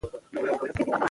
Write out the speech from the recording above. د روږدو کسانو درملنه وکړئ.